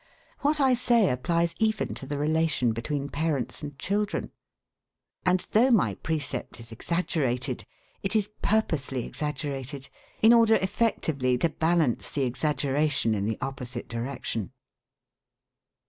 What I say applies even to the relation between parents and children. And though my precept is exaggerated, it is purposely exaggerated in order effectively to balance the exaggeration in the opposite direction.